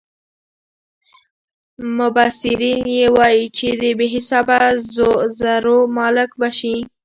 مبصرین یې وايي چې د بې حسابه زرو مالک به شي.